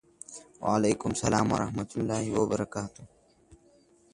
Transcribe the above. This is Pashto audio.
وعلیکم سلام ورحمة الله وبرکاته